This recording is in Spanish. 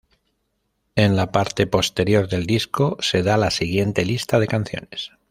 En la parte posterior del disco se da la siguiente lista de canciones.